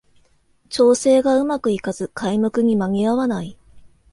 調整がうまくいかず開幕に間に合わない